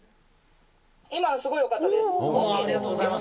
今のすごいよかったです。